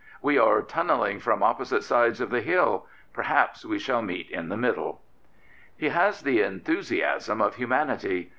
''We are tunnel ling from opposite sides of the hill. Perhaps we shall meet in the middle." He has the enthusiasm of humanity.